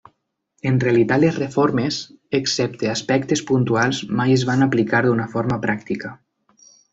En realitat les reformes, excepte aspectes puntuals, mai es van aplicar d'una forma pràctica.